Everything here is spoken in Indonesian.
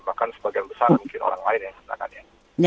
bahkan sebagian besar mungkin orang lain yang ditetapkan ya